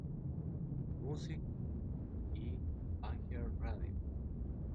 Music y iHeartRadio.